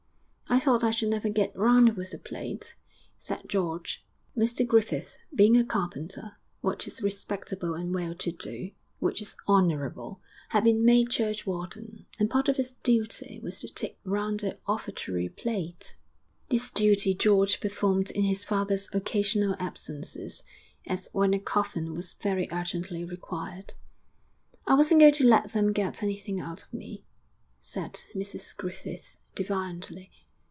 'I thought I should never get round with the plate,' said George. Mr Griffith, being a carpenter, which is respectable and well to do, which is honourable, had been made churchwarden, and part of his duty was to take round the offertory plate. This duty George performed in his father's occasional absences, as when a coffin was very urgently required. 'I wasn't going to let them get anything out of me,' said Mrs Griffith, defiantly.